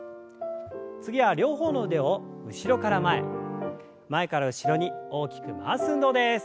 次は両方の腕を後ろから前前から後ろに大きく回す運動です。